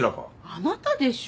あなたでしょ。